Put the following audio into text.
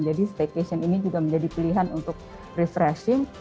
jadi staycation ini juga menjadi pilihan untuk refreshing